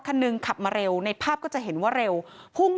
คันหนึ่งขับมาเร็วในภาพก็จะเห็นว่าเร็วพุ่ง